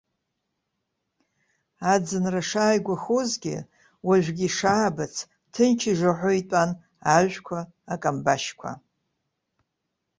Аӡынра шааигәахозгьы, уажәгьы ишаабац, ҭынч ижаҳәо итәан ажәқәа, акамбашьқәа.